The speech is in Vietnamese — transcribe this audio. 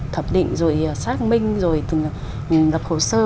thẩm định rồi xác minh rồi từng lập hồ sơ